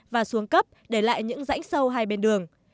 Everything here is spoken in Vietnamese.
và xuống cấp để lại những rãnh sâu hai bên đường